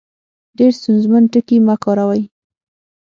ډېر ستونزمن ټکي مۀ کاروئ